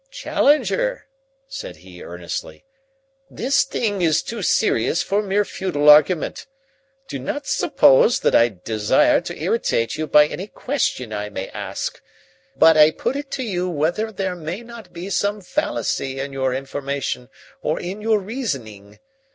"Challenger," said he earnestly, "this thing is too serious for mere futile argument. Do not suppose that I desire to irritate you by any question I may ask. But I put it to you whether there may not be some fallacy in your information or in your reasoning.